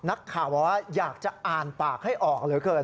นักข่าวบอกว่าอยากจะอ่านปากให้ออกเหลือเกิน